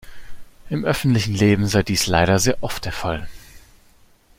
Im öffentlichen Leben sei dies leider sehr oft der Fall.